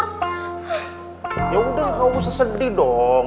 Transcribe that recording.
hah yaudah gak usah sedih dong